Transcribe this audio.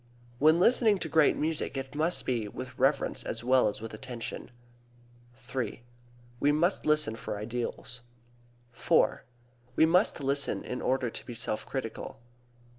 When listening to great music it must be with reverence as well as with attention. III. We must listen for ideals. IV. We must listen in order to be self critical.